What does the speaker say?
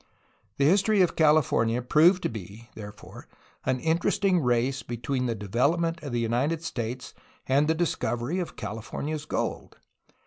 The history of California proved to be, therefore, an interesting race between the development of the United States and the discovery of California's gold.